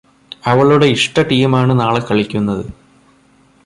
അവളുടെ ഇഷ്ട ടീമാണ് നാളെ കളിക്കുന്നത്